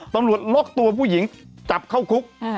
ตำรวจล็อกตัวผู้หญิงจับเข้าคุก